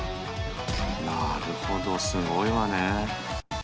なるほどすごいわねえ。